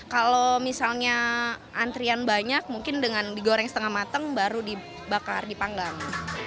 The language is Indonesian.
kalau misalnya antrian banyak mungkin dengan digoreng setengah mateng baru dibakar dipanggang